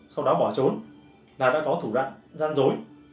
sau đó bỏ trốn là đã có thủ đoạn gian dối